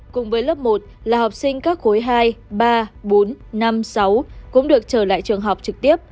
cùng với lớp một là học sinh các khối hai ba bốn năm sáu cũng được trở lại trường học trực tiếp